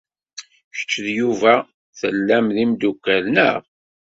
Kečč d Yuba tellam d imeddukal, naɣ?